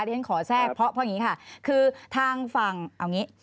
เรียนขอแทรกเพราะเพราะงี้ค่ะ